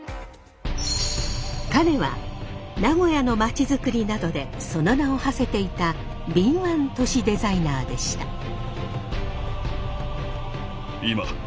彼は名古屋のまちづくりなどでその名をはせていた敏腕都市デザイナーでした。